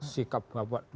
sikap bapak dulu